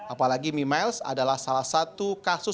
apalagi mimiles adalah salah satu kasus